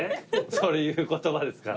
それ言う言葉ですから。